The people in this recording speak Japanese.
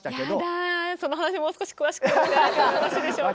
やだぁその話もう少し詳しくお伺いしてもよろしいでしょうか？